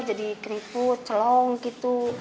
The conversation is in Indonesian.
jadi keriput celong gitu